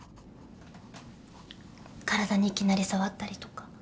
体にいきなり触ったりとか。